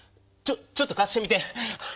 ちょっと貸してみて。